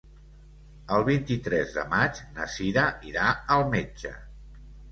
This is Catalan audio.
El vint-i-tres de maig na Sira irà al metge.